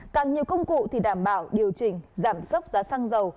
càng nhiều công cụ thì đảm bảo điều chỉnh giảm sốc giá xăng dầu